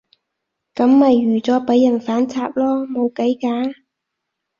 噉咪預咗畀人反插囉，冇計㗎